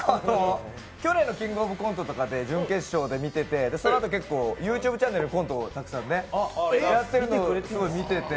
去年の「キングオブコント」とかで準決勝で見ていてそのあとＹｏｕＴｕｂｅチャンネルでたくさんコントやってるの見てて。